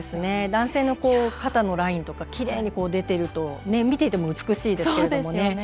男性の肩のラインとかきれいに出ていると見ていても美しいですけれども。